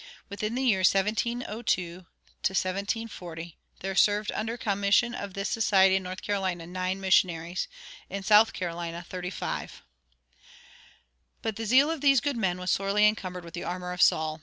Within the years 1702 40 there served under the commission of this society in North Carolina nine missionaries, in South Carolina thirty five.[67:1] But the zeal of these good men was sorely encumbered with the armor of Saul.